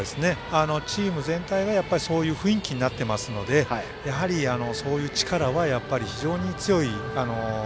チーム全体がそういう雰囲気になってますのでそういう力はやっぱり非常に強い。